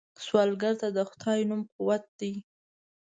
سوالګر ته د خدای نوم قوت دی